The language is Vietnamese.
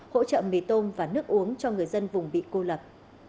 hỗ trợ mì tôm và nước uống cho người dân vùng bị cô lập